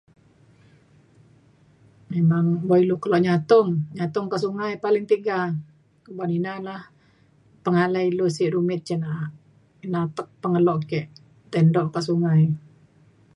memang bo' ilu keluk nyatung, nyatung ke sungai paling tiga, ban ina na pengalai ilu siuk dumit sen na'a. na atek pengeluk ke' tai ndok ka sungai.